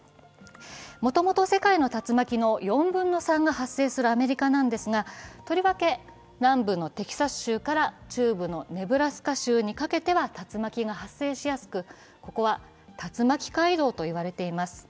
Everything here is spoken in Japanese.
もともと世界の竜巻の４分の３が発生するアメリカなんですがとりわけ南部のテキサス州から中部のネブラスカ州にかけては竜巻が発生しやすく、ここは竜巻街道と言われています。